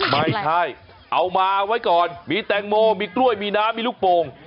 ไม่ใช่เอามาไว้ก่อนมีแตงโมมีกล้วยมีน้ำมีลูกโป่ง